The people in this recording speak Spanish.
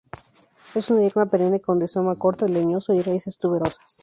Es una hierba perenne con rizoma corto y leñoso y raíces tuberosas.